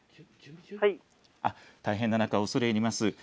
大変な中、恐れ入ります。